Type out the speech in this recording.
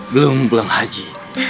belum pulang haji